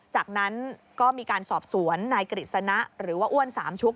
จากนั้นก็มีการสอบสวนนายกฤษณะหรือว่าอ้วนสามชุก